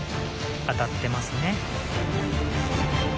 当たってますね。